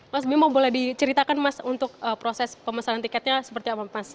mas bimo boleh diceritakan mas untuk proses pemesanan tiketnya seperti apa mas